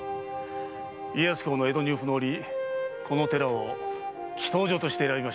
家康公の江戸入府の折この寺を祈祷所として選びました。